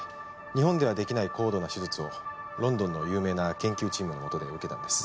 日本では出来ない高度な手術をロンドンの有名な研究チームのもとで受けたんです。